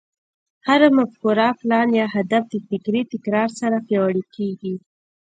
هره مفکوره، پلان، يا هدف د فکري تکرار سره پياوړی کېږي.